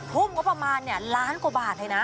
หุ้มก็ประมาณเนี่ยล้านกว่าบาทเลยนะ